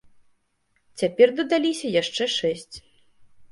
Цяпер дадаліся яшчэ шэсць.